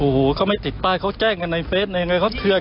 โอ้โหเขาไม่ติดป้ายเขาแจ้งกันในเฟสในเขาเทือน